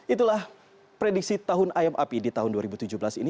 itulah prediksi tahun ayam api di tahun dua ribu tujuh belas ini